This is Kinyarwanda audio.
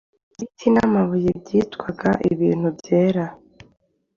Ibiti n'amabuye byitwaga ibintu byera,